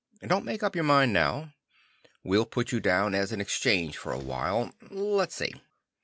Don't make up your mind now. We'll put you down as an exchange for a while. Let's see.